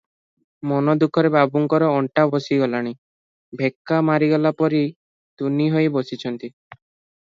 ମନୋଦୁଃଖରେ ବାବୁଙ୍କର ଅଣ୍ଟା ବସିଗଲାଣି, ଭେକା ମାରିଗଲା ପରି ତୁନି ହୋଇ ବସିଛନ୍ତି ।